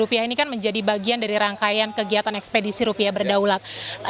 rupiah ini kan menjadi bagian dari rangkaian kegiatan ekspedisi rupiah berdaulat